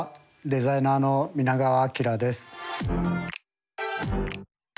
デザイナーの皆川明です。